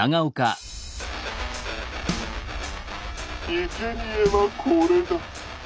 「いけにえはこれだ」。